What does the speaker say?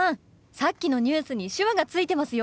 さっきのニュースに手話がついてますよ！